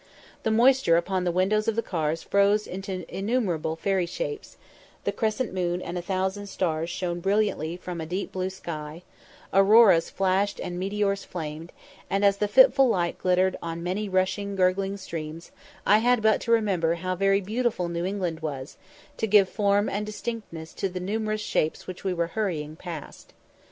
The moisture upon the windows of the cars froze into innumerable fairy shapes; the crescent moon and a thousand stars shone brilliantly from a deep blue sky; auroras flashed and meteors flamed, and, as the fitful light glittered on many rushing gurgling streams, I had but to remember how very beautiful New England was, to give form and distinctness to the numerous shapes which we were hurrying past.